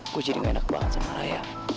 gue jadi nggak enak banget sama rayya